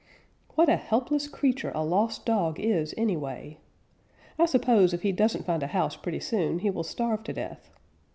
What a helpless creature a lost dog is, anyway. I suppose if he doesn't find a house pretty soon he will starve to death.